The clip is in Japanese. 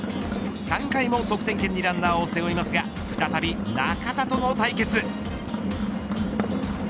３回も得点圏にランナーを背負いますが再び中田との対決。